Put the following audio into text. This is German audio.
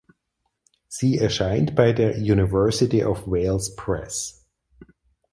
Sie erscheint bei der University of Wales Press.